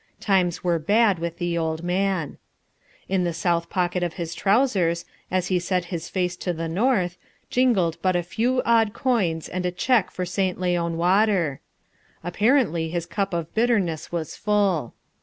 Times were bad with the old man. In the south pocket of his trousers, as he set his face to the north, jingled but a few odd coins and a cheque for St. Leon water. Apparently his cup of bitterness was full.